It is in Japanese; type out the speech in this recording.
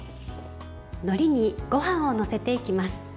のりに、ごはんを載せていきます。